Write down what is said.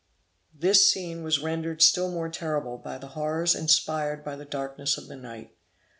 This scene was rendered still more terrible, by the horrors inspired by the darkness of the night.